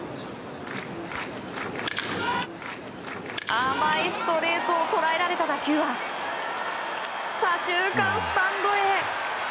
甘いストレートをとらえられた打球は左中間スタンドへ。